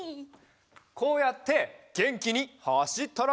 こうやってげんきにはしったら。